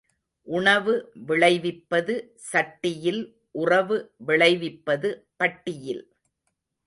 உணவு விளைவிப்பது சட்டியில் உறவு விளைவிப்பது பட்டியில்.